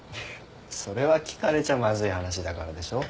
それは聞かれちゃまずい話だからでしょ？